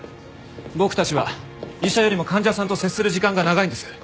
僕たちは医者よりも患者さんと接する時間が長いんです。